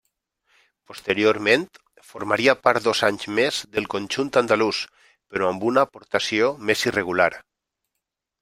Posteriorment, formaria part dos anys més del conjunt andalús, però amb una aportació més irregular.